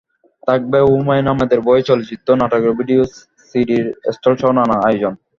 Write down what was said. থাকবে হুমায়ূন আহমেদের বই, চলচ্চিত্র, নাটকের ভিডিও সিডির স্টলসহ নানা আয়োজন।